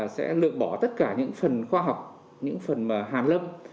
sẽ lược bỏ tất cả những phần khoa học những phần hàn lâm